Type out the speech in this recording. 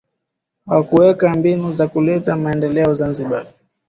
Hawakuweka mbinu za kuleta maendeleo Zanzibar